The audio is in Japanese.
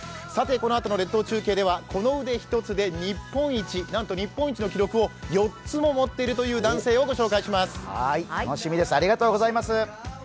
さてこのあとの列島中継ではなんと日本一の記録を４つも持っているという男性を紹介します。